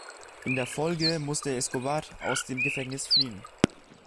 In der Folge musste Escobar aus dem Gefängnis fliehen.